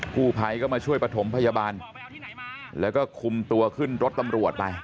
กู้ภัยก็มาช่วยประถมพยาบาลแล้วก็คุมตัวขึ้นรถตำรวจไป